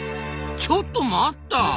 ちょっと待った！